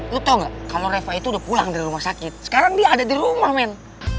lo tau gak kalo reva itu udah pulang dari rumah sakit sekarang dia ada di rumah men